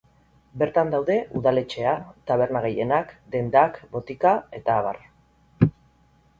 Bertan daude udaletxea, taberna gehienak, dendak, botika eta abar.